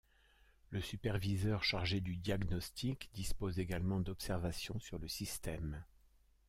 Le superviseur chargé du diagnostic dispose également d'observations sur le système.